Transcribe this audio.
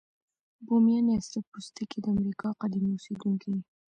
بومیان یا سره پوستکي د امریکا قديمي اوسیدونکي دي.